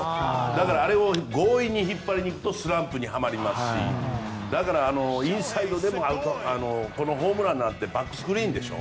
だから、あれを強引に引っ張りに行くとスランプにはまりますしだからインサイドでもこのホームランなんてバックスクリーンでしょ。